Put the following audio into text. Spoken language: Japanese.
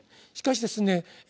しかしですね